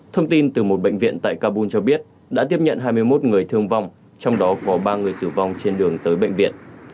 thông tin từ một bệnh viện tại kabul cho biết đã tiếp nhận hai mươi một người thương vong trong đó có ba người tử vong trên đường tới bệnh viện